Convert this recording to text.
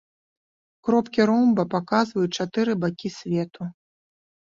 Кропкі ромба паказваюць чатыры бакі свету.